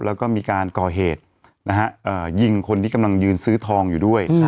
แล้วก็มีการก่อเหตุยิงคนที่กำลังยืนซื้อทองอยู่ด้วย